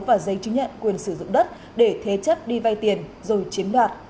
và giấy chứng nhận quyền sử dụng đất để thế chấp đi vay tiền rồi chiếm đoạt